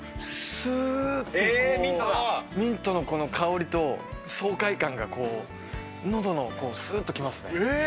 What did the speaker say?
スって、ミントの香りと、爽快感がこう、喉にスっときますね。